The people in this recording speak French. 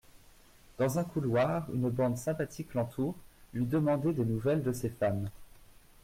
Dans un couloir, une bande sympathique l'entoure, lui demandé des nouvelles de ses femmes.